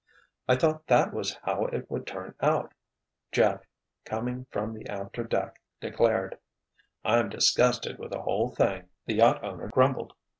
"I thought that was how it would turn out," Jeff, coming from the after deck, declared. "I'm disgusted with the whole thing," the yacht owner grumbled.